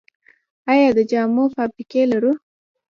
آیا د جامو فابریکې لرو؟